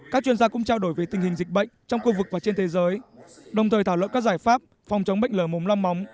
các chuyên gia cũng trao đổi về tình hình dịch bệnh trong khu vực và trên thế giới đồng thời thảo lợi các giải pháp phòng chống bệnh lở mồm long móng